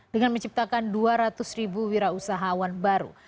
dengan menciptakan dua ratus ribu wirausahawan baru